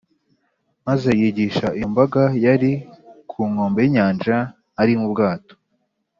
maze yigisha iyo mbaga yari ku nkombe y’inyanja ari mu bwato